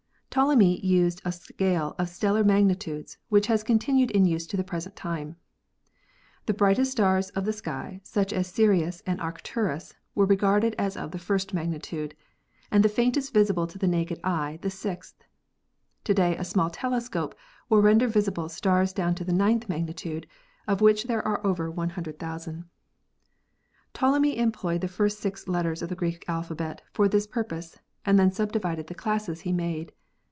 Ptolemy used a scale of stellar mag nitudes, which has continued in use to the present time. The brightest stars of the sky, such as Sirius and Arc turus, were regarded as of the first magnitude, and the faintest visible to the naked eye the sixth. To day a small telescope will render visible stars down to the ninth mag nitude, of which there are over 100,000. Ptolemy em ployed the first six letters of the Greek alphabet for this purpose and then subdivided the classes he made.